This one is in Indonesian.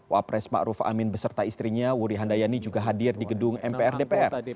wapres makruf amin beserta istrinya wuri handayani juga hadir di gedung mpr dpr